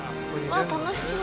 楽しそう。